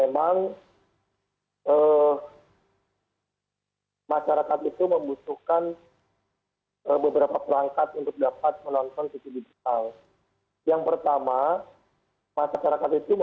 manfaat utamanya itu